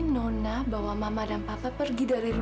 nona daripada aku